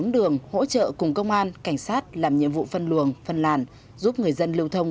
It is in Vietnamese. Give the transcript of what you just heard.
bốn đường hỗ trợ cùng công an cảnh sát làm nhiệm vụ phân luồng phân làn giúp người dân lưu thông